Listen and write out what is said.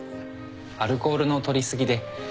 アルコールの取り過ぎで。